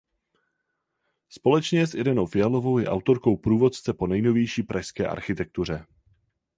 Společně s Irenou Fialovou je autorkou průvodce po nejnovější pražské architektuře.